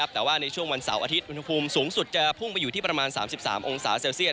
แต่ว่าในช่วงวันเสาร์อาทิตย์อุณหภูมิสูงสุดจะพุ่งไปอยู่ที่ประมาณ๓๓องศาเซลเซียต